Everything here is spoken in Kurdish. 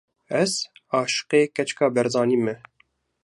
Ez aşiqê keçika Barzanî me!